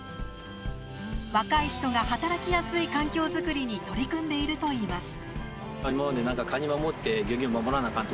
若い人が働きやすい環境づくりに取り組んでいるといいます。